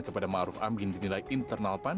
kepada maruf amin dinilai internal pan